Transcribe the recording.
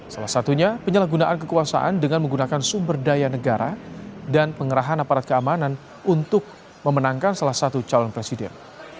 salah satunya penyalahgunaan kekuasaan dengan menggunakan sumber daya negara dan pengerahan aparat keamanan untuk memenangkan salah satu calon presiden